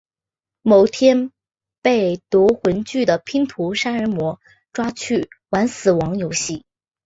某天被夺魂锯的拼图杀人魔抓去玩死亡游戏。